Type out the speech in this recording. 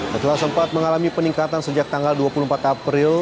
setelah sempat mengalami peningkatan sejak tanggal dua puluh empat april